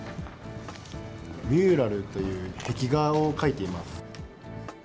ミューラルという壁画を描いています。